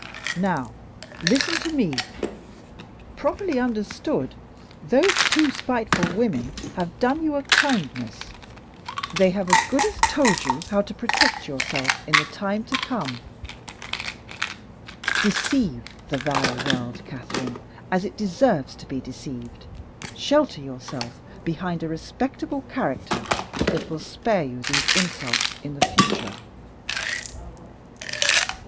Now listen to me. Properly understood, those two spiteful women have done you a kindness. They have as good as told you how to protect yourself in the time to come. Deceive the vile world, Catherine, as it deserves to be deceived. Shelter yourself behind a respectable character that will spare you these insults in the future."